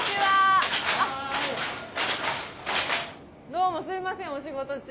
どうもすいませんお仕事中。